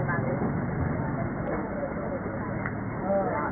สวัสดีครับ